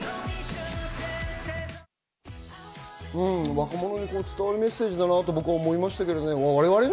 若者に伝わるメッセージだなと思いました。